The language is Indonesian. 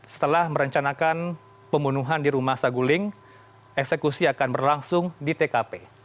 setelah merencanakan pembunuhan di rumah saguling eksekusi akan berlangsung di tkp